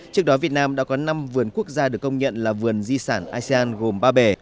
trước đó việt nam đã có năm vườn quốc gia được công nhận là vườn di sản asean gồm ba bể